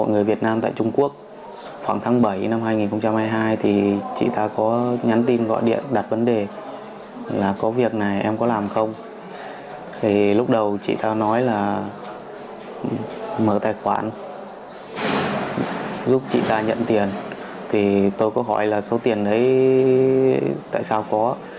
giúp chị ta nhận tiền thì tôi có hỏi là số tiền đấy tại sao có